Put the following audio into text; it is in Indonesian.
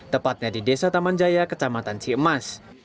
tepatnya di desa taman jaya kecamatan ciemas